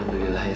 ngerti tuh bang